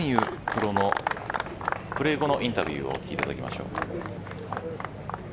プロのプレー後のインタビューをお聞きしましょう。